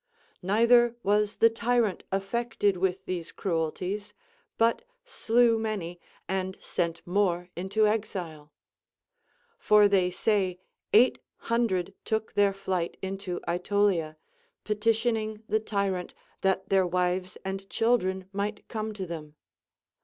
Neither was the tyrant affected with these cruelties, but slew many and sent more into exile ; for they say eight hundred took their fliglit into Aetolia, petitioning the tyrant that their wives and children might come to them.